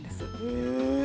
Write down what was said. へえ。